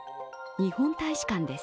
日本大使館です。